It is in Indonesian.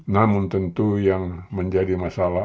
namun tentu yang menjadi masalah